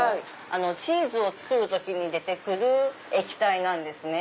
チーズを作る時に出て来る液体なんですね。